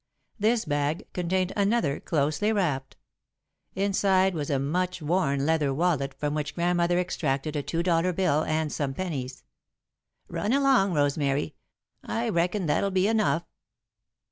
This bag contained another, closely wrapped. Inside was a much worn leather "wallet," from which Grandmother extracted a two dollar bill and some pennies. "Run along, Rosemary. I reckon that'll be enough."